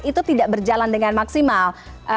itu tidak berjalan dengan maksimal